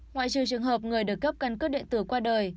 ngoại trừ trường hợp người được cấp căn cước điện tử qua đời